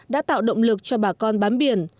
đã tạo động lực cho bà con bám biển